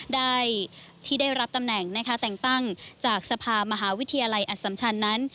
ได้ที่ได้รับตำแหน่งแต่งตั้งจากสภามหาวิทยาลัยอสัมชันนั้น